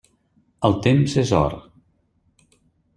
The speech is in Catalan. El temps és or.